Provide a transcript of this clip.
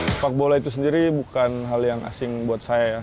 sepak bola itu sendiri bukan hal yang asing buat saya ya